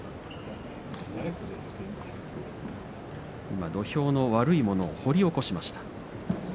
今、土俵の悪いものを掘り起こしました。